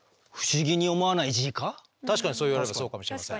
確かにそう言われればそうかもしれない。